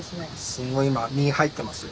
すごい今身入ってますよ。